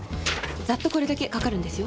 ざっとこれだけかかるんですよ。